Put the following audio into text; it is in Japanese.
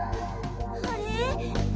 あれ？